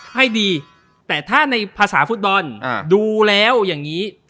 ให้ดีแต่ถ้าในภาษาฟุตบอลดูแล้วอย่างนี้